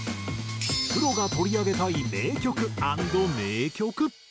プロが取り上げたい名曲＆迷曲。